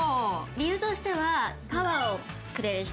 理由としてはパワーをくれる人もらえる人。